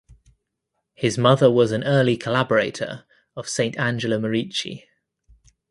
His mother was an early collaborator of Saint Angela Merici.